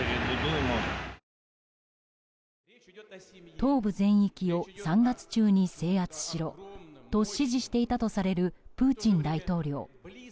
東部全域を３月中に制圧しろと指示していたとされるプーチン大統領。